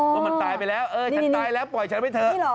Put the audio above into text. ว่ามันตายไปแล้วเออฉันตายแล้วปล่อยฉันไปเถอะ